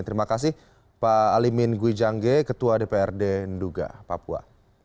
terima kasih pak alimin gwijangge ketua dprd nduga papua